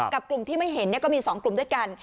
กับกลุ่มที่ไม่เห็นก็มี๒กลุ่มด้วยกัน